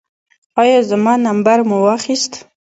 ایا زما نمبر مو واخیست؟